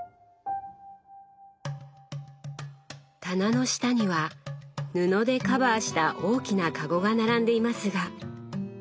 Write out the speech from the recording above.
棚の下には布でカバーした大きなかごが並んでいますが。